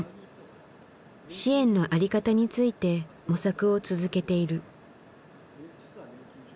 支援のあり方について模索を続けている。